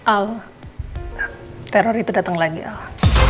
al teror itu datang lagi al